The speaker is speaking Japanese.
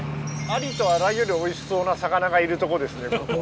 ありとあらゆるおいしそうな魚がいるとこですね。